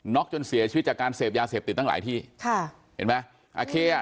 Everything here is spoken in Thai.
จนเสียชีวิตจากการเสพยาเสพติดตั้งหลายที่ค่ะเห็นไหมโอเคอ่ะ